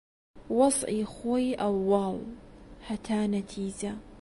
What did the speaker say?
وەزعی خۆی ئەووەڵ، هەتا نەتیجە